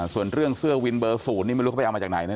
ส่วนเรื่องเสื้อวินเบอร์๐นี่ไม่รู้เขาไปเอามาจากไหนนะ